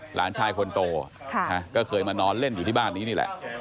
หลานชายคนโตก็เคยมานอนเล่นอยู่ที่บ้านนี้นี่แหละ